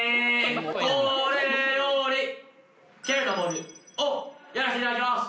これより「蹴られたボール」をやらせていただきます。